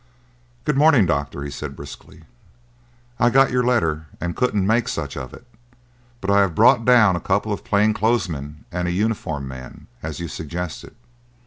"Good morning, Doctor," he said briskly. "I got your letter and couldn't make such of it, but I have brought down a couple of plain clothes men and a uniform man, as you suggested.